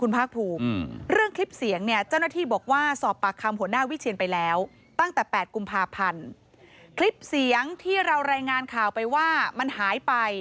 เปิดข่าวไปหว่ามันหายไป